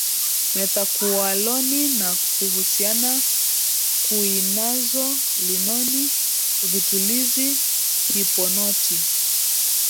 Methakualoni na kuhusiana kuinazolinoni vitulizi hiponoti